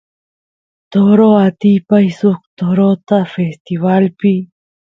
toroy atipay suk torota festivalpi